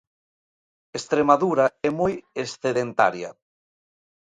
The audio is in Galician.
Estremadura é moi excedentaria.